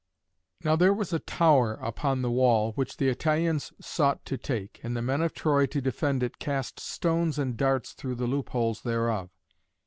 Now there was a tower upon the wall, which the Italians sought to take, and the men of Troy to defend it cast stones and darts through the loopholes thereof.